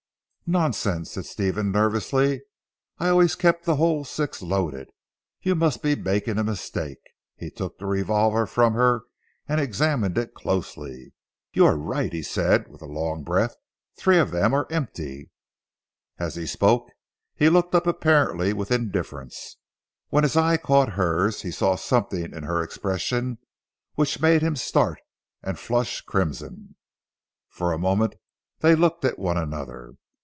"Nonsense," said Stephen nervously. "I always kept the whole six loaded. You must be making a mistake," he took the revolver from her and examined it closely. "You are right," he said with a long breath. "Three of them are empty." As he spoke he looked up apparently with indifference. When his eye caught hers he saw something in her expression which made him start and flush crimson. For a moment they looked at one another.